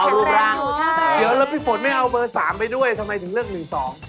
เดี๋ยวแล้วพี่ผลไม่เอาเบอร์๓ไปด้วยทำไมถึงเลิก๑๒